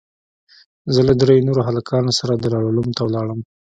زه له درېو نورو هلکانو سره دارالعلوم ته ولاړم.